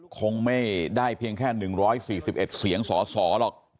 คงไม่ได้เพียงแค่๑๔๑เสียงสสหรอก